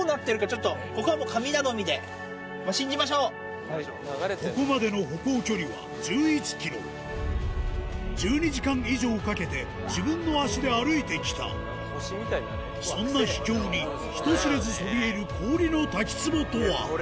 ついに姿を見せたここまでの歩行距離は１１ｋｍ１２時間以上かけて自分の足で歩いてきたそんな秘境に人知れずそびえる氷の滝壺とは？